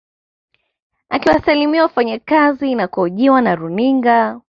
Akiwasalimia wafanyakazi na kuhojiwa na runinga